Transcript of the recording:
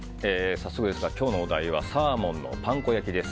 早速ですが、今日のお題はサーモンのパン粉焼きです。